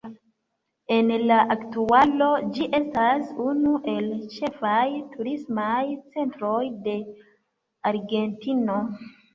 En la aktualo ĝi estas unu el ĉefaj turismaj centroj de Argentino.